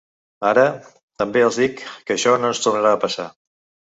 Ara, també els dic que això no ens tornarà a passar.